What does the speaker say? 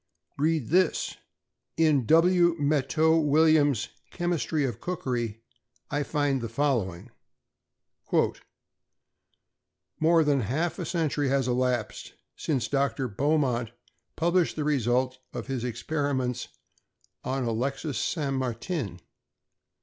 =Read this!= In W. Mattieu Williams's "Chemistry of Cookery," I find the following: "More than half a century has elapsed since Dr. Beaumont published the results of his experiments on Alexis St. Martin.